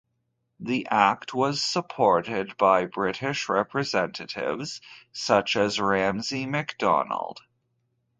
The Act was supported by British representatives such as Ramsay MacDonald.